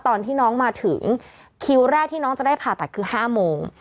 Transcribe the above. ตอนที่น้องมาถึงคิวแรกที่น้องจะได้ผ่าตัดคือ๕โมง